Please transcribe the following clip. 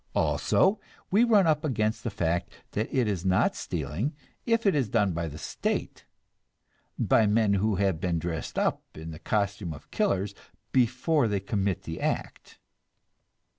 Also, we run up against the fact that it is not stealing, if it is done by the State, by men who have been dressed up in the costume of killers before they commit the act.